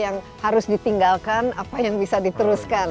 yang harus ditinggalkan apa yang bisa diteruskan